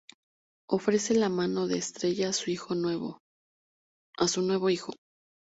Ofrece la mano de Estrella a su nuevo hijo.